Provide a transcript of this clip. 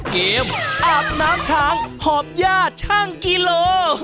อาบน้ำช้างหอบญาติช่างกิโล